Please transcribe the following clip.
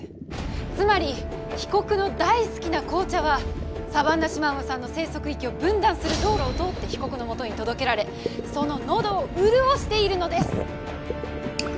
つまり被告の大好きな紅茶はサバンナシマウマさんの生息域を分断する道路を通って被告のもとに届けられその喉を潤しているのです！